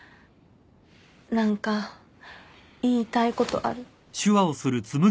何か言いたいことある。